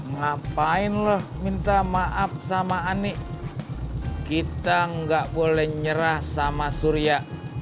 ngapain loh minta maaf sama ani kita nggak boleh nyerah sama surya